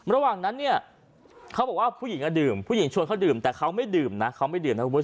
ระหว่างนั้นเขาบอกว่าผู้หญิงก็ดื่มผู้หญิงชวนเขาดื่มแต่เขาไม่ดื่มนะ